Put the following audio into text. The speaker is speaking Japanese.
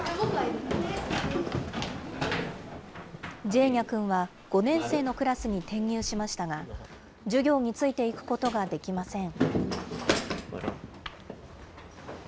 ジェーニャ君は５年生のクラスに転入しましたが、授業についていくことができません。